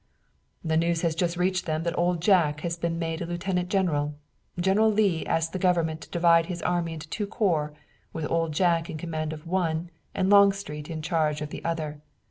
"The news has just reached them that Old Jack has been made a lieutenant general. General Lee asked the government to divide his army into two corps, with Old Jack in command of one and Longstreet in charge of the other.